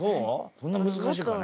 そんな難しいかね？